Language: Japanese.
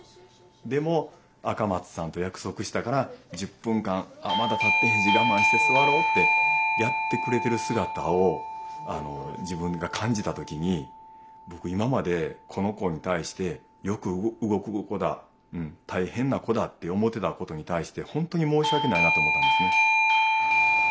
でも赤松さんと約束したから１０分間あまだたってへんし我慢して座ろうってやってくれてる姿を自分が感じた時に僕今までこの子に対してよく動く子だうん大変な子だって思うてたことに対してほんとに申し訳ないなと思ったんですね。